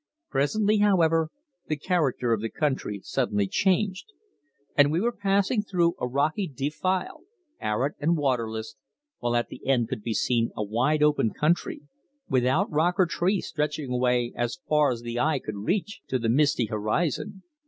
Presently, however, the character of the country suddenly changed, and we were passing through a rocky defile, arid and waterless, while at the end could be seen a wide open country without rock or tree stretching away as far as the eye could reach to the misty horizon.